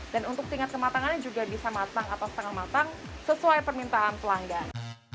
dan untuk tingkat kematangannya juga bisa matang atau setengah matang sesuai permintaan pelanggan